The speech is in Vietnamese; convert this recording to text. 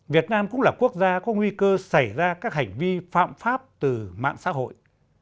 việt nam cũng là quốc gia có nguy cơ xảy ra các hành vi phạm pháp từ mạng xã hội